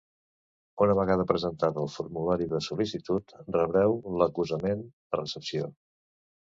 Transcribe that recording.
Una vegada presentat el formulari de sol·licitud, rebreu l'acusament de recepció.